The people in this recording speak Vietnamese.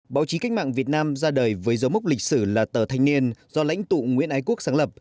báo chí cách mạng việt nam ra đời với dấu mốc lịch sử là tờ thanh niên do lãnh tụ nguyễn ái quốc sáng lập